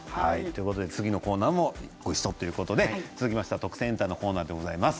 次のコーナーも、ごいっしょということで続きましては「特選！エンタ」のコーナーです。